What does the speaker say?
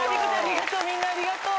みんなありがとう！